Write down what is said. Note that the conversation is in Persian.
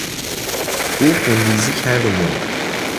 او خونریزی کرد و مرد.